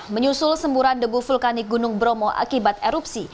menyusul semburan debu vulkanik gunung bromo akibat erupsi